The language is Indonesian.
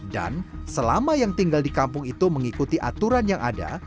dan selama yang tinggal di kampung itu mengikuti aturan yang ada